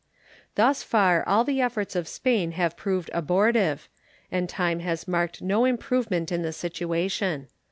Thus far all the efforts of Spain have proved abortive, and time has marked no improvement in the situation.